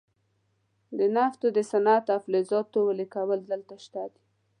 د نفتو د صنعت او فلزاتو ویلې کول دلته شته دي.